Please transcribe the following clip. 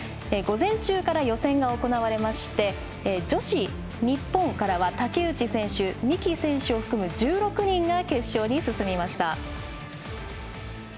午前中から予選が行われまして女子日本からは竹内選手、三木選手を含む１６人が決勝に進みました。